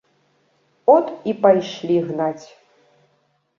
От і пайшлі гнаць.